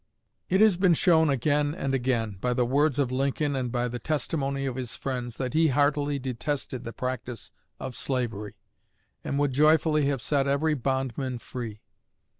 It has been shown again and again, by the words of Lincoln and by the testimony of his friends, that he heartily detested the practice of slavery, and would joyfully have set every bondman free.